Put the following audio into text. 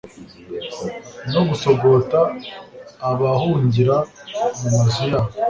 no gusogota abahungira mu mazu yabo